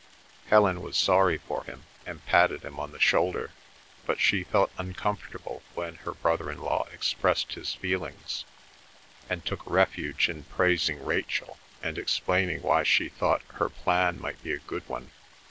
Helen was sorry for him, and patted him on the shoulder, but she felt uncomfortable when her brother in law expressed his feelings, and took refuge in praising Rachel, and explaining why she thought her plan might be a good one.